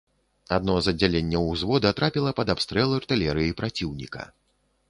Адно з аддзяленняў ўзвода трапіла пад абстрэл артылерыі праціўніка.